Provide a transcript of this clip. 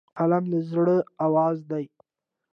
قلم د زړه آواز دی